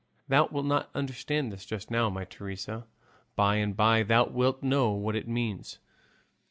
Thou wilt not understand this just now, my Teresa; by and by thou wilt know what it means.